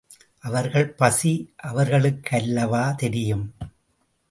அவர்கள் பசி அவர்களுக்கல்லவா தெரியும்!